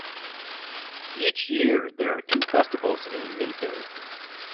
Each year there are two festivals in Minto.